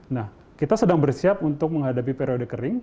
nah kita sedang bersiap untuk menghadapi periode kering